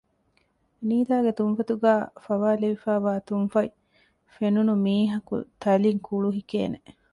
ނީތާގެ ތުންފަތުގައި ފަވާލެވިފައިވާ ތުންފަތް ފެނުނު މީހަކު ތަލިން ކުޅުހިކޭނެ